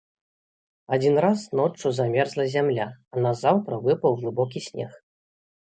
Адзін раз ноччу замерзла зямля, а назаўтра выпаў глыбокі снег.